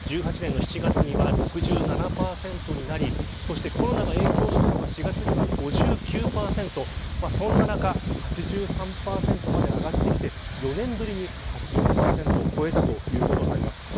１８年の７月には６７％になりそして、コロナが影響したのか４月には５９％そんな中８３％まで上がってきて４年ぶりに８０％を超えたということになります。